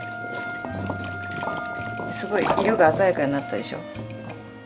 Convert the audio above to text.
すごい色が鮮やかになったでしょ。